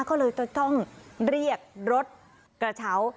ก็เลยต้องเรียกรถกระเช้า